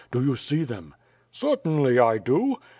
Do you see them?" "Certainly I do."